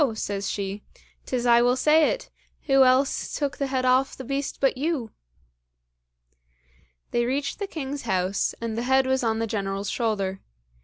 says she, "'tis I will say it; who else took the head off the beast but you!" They reached the king's house, and the head was on the General's shoulder.